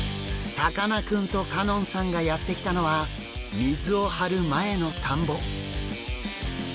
さかなクンと香音さんがやって来たのは水を張る前の田んぼ。